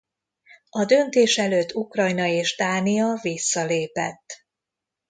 A döntés előtt Ukrajna és Dánia visszalépett.